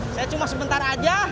saya cuma sebentar aja